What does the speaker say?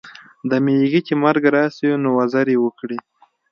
د میږي چي مرګ راسي نو، وزري وکړي.